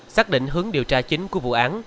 xác định hướng điều tra chính của vụ án